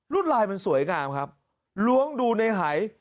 ลายมันสวยงามครับล้วงดูในหาย